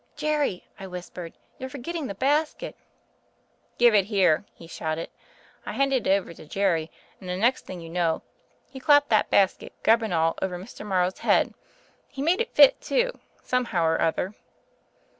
'Jerry,' I whispered, 'you're forget tmg the basket.' 'Give it here,' he shouted. I handed it over to Jerry, and the next thing you know he clapped that basket, grub and all, over Mr. Morrow's head: he made it fit too, some how or other.